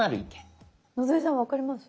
野添さん分かります？